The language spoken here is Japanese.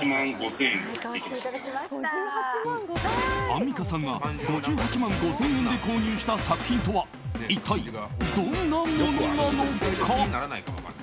アンミカさんが５８万５０００円で購入した作品とは一体どんなものなのか。